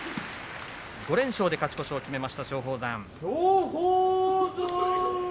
５連勝で勝ち越しを決めました松鳳山。